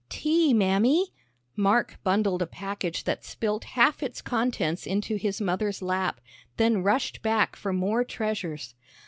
"Tea, Mammy!" Mark bundled a package that spilt half its contents into his mother's lap, then rushed back for more treasures.